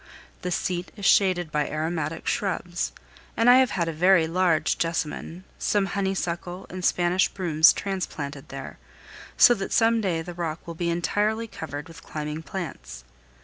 The seat is shaded by aromatic shrubs, and I have had a very large jessamine, some honeysuckle, and Spanish brooms transplanted there, so that some day the rock will be entirely covered with climbing plants.